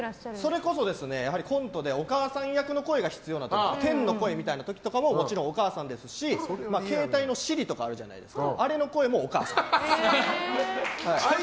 それこそコントでお母さん役の声が必要な時、天の声みたいな時ももちろんお母さんですし携帯のＳｉｒｉとかあれの声もお母さんです。